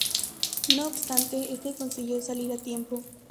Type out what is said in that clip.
No obstante, este consiguió salir a tiempo.